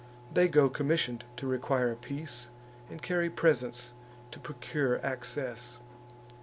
They go commission'd to require a peace, And carry presents to procure access.